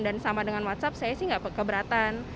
dan sama dengan whatsapp saya sih enggak keberatan